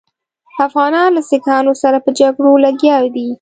افغانان له سیکهانو سره په جګړو لګیا دي.